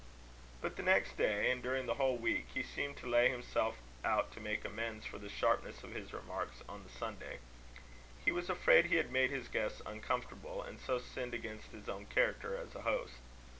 But the next day, and during the whole week, he seemed to lay himself out to make amends for the sharpness of his remarks on the Sunday. He was afraid he had made his guests uncomfortable, and so sinned against his own character as a host.